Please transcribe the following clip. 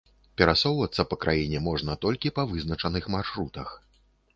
Перасоўвацца па краіне можна толькі па вызначаных маршрутах.